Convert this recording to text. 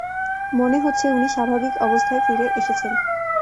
মনে হচ্ছে, উনি স্বাভাবিক অবস্থায় ফিরে এসেছেন!